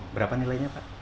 berapa nilainya pak